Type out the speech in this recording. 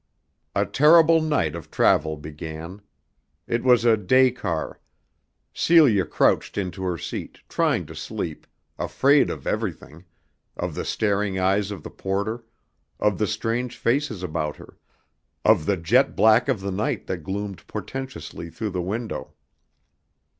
A terrible night of travel began. It was a day car. Celia crouched into her seat, trying to sleep, afraid of everything, of the staring eyes of the porter, of the strange faces about her, of the jet black of the night that gloomed portentously through the window.